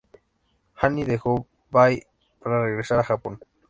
Annie dejó Bay para regresar a Japón.